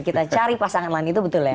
kita cari pasangan lain itu betul ya